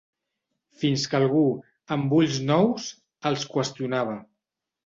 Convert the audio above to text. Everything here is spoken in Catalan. Fins que algú, amb ulls nous, els qüestionava.